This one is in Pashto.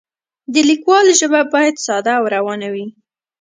د لیکوال ژبه باید ساده او روانه وي.